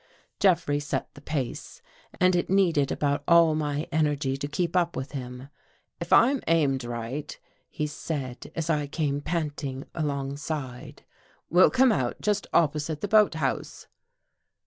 Jeffrey set the pace and it needed about all my energy to keep up with him. " If I'm aimed right," he said, as I came panting alongside, "we'll come out just opposite the boathouse."